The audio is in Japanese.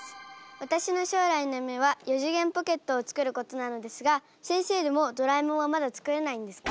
私の将来の夢は４次元ポケットを作ることなのですが先生でもドラえもんはまだ作れないんですか？